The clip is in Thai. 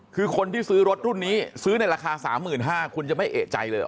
คือคนที่ซื้อรถรุ่นนี้ซื้อในราคา๓๕๐๐บาทคุณจะไม่เอกใจเลยเห